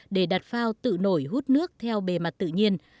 để đặt phao tự nổi hút nước theo bề mặt tự nhiên